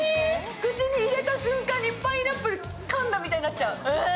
口に入れた瞬間にパイナップルかんだみたいになっちゃう。